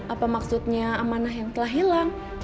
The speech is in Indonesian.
apa maksudnya amanah yang telah hilang